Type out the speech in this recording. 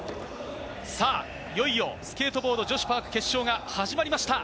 いよいよスケートボード女子パーク決勝が始まりました。